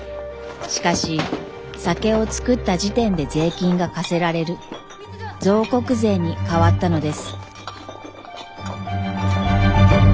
しかし酒を造った時点で税金が課せられる造石税に変わったのです。